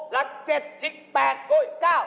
แล้ว๗